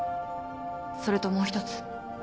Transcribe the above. それともう一つ。